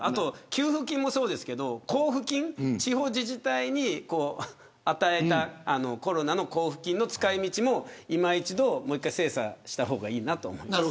給付金もそうですが、交付金地方自治体に与えたコロナの交付金の使い道もいま一度、もう１回精査した方がいいなと思います。